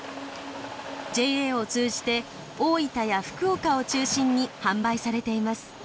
ＪＡを通じて大分や福岡を中心に販売されています。